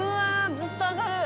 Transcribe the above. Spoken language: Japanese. ずっと上がる！